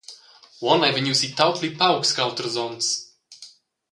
Uonn ei vegniu sittau pli paucs che auters onns.